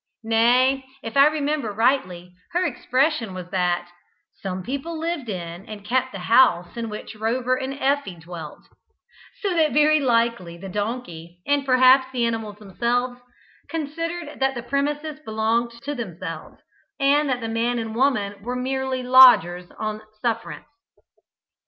Nay, if I remember rightly, her expression was that, "Some people lived in and kept the house in which Rover and Effie dwelt;" so that very likely the donkey, and perhaps the animals themselves, considered that the premises belonged to themselves, and that the man and woman were merely lodgers on sufferance.